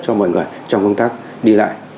cho mọi người trong công tác đi lại